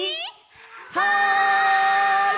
はい！